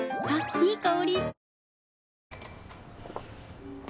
いい香り。